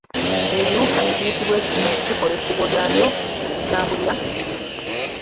Ebiwuka ekiyitibwa ekinyomo kikola ekkuba lyakyo mwe bitambulira mu nnyiriri.